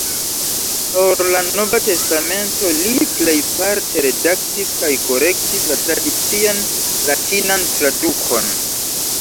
Por la Nova testamento, li plejparte redaktis kaj korektis la tradician latinan tradukon.